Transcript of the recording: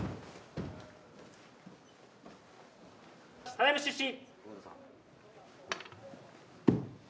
ただいま出仕。